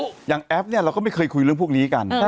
อย่างแอปเนี่ยเราก็ไม่เคยคุยเรื่องพวกนี้กัน